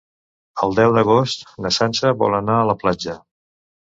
El deu d'agost na Sança vol anar a la platja.